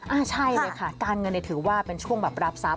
อ่าใช่เลยค่ะการเงินเนี่ยถือว่าเป็นช่วงแบบรับทรัพย